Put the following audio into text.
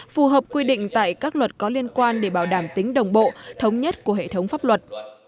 phù hợp quy định tại các luật có liên quan để bảo đảm tính đồng bộ thống nhất của hệ thống pháp luật